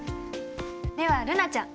では瑠菜ちゃん。